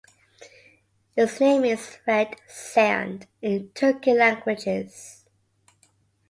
Its name means "Red Sand" in Turkic languages.